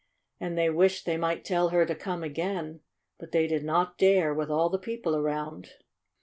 And they wished they might tell her to come again. But they did not dare, with all the people around.